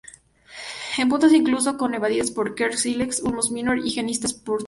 En puntos incluso son invadidas por "Quercus ilex", "Ulmus minor" y "Genista scorpius".